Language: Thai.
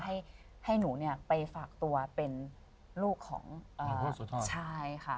ให้หนูเนี่ยไปฝากตัวเป็นลูกของชายค่ะ